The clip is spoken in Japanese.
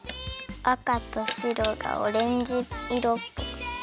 あかとしろがオレンジいろ。